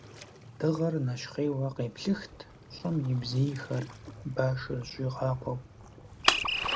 Дыгъэр нэщхъейуэ къеплъыхт щӀым и бзийхэр, башу зыщӀигъакъуэу.